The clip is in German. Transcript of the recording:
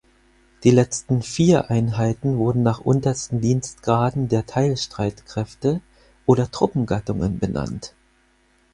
Die letzten vier Einheiten wurden nach untersten Dienstgraden der Teilstreitkräfte oder Truppengattungen benannt.